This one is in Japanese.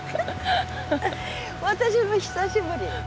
私も久しぶり。